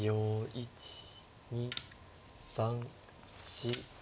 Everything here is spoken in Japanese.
１２３４。